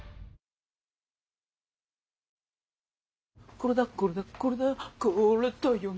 これだこれだこれだこれだよね。